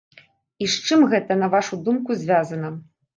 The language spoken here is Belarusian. І з чым гэта, на вашу думку, звязана?